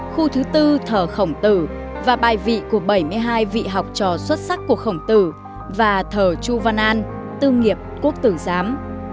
khu thứ tư thờ khổng tử và bài vị của bảy mươi hai vị học trò xuất sắc của khổng tử và thờ chu văn an tư nghiệp quốc tử giám